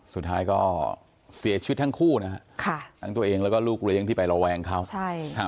สุดท้ายก็เสียชีวิตทั้งคู่ทั้งตัวเองแล้วก็ลูกเลี้ยงที่ไประวังเขา